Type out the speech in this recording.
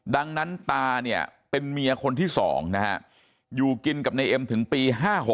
ดังนั้นตาเนี่ยเป็นเมียคนที่๒นะฮะอยู่กินกับนายเอ็มถึงปี๕๖